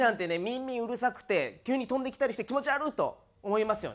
ミンミンうるさくて急に飛んできたりして気持ち悪っ！と思いますよね。